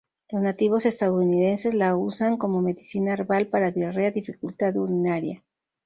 Los nativos estadounidenses la usan como medicina herbal para diarrea, dificultad urinaria.